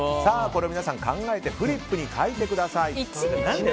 皆さん、考えてフリップに書いてください。